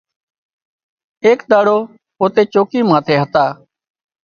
ايڪ ڏاڙو پوتي چوڪي ماٿي هتا